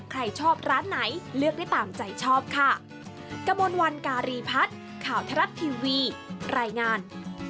ใครชอบร้านไหนเลือกได้ตามใจชอบค่ะกระมวลวันการีพัฒน์ข่าวทรัพย์ทีวีรายงาน